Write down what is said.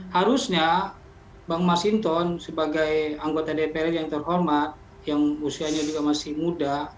harusnya bang masinton sebagai anggota dpr yang terhormat yang usianya juga masih muda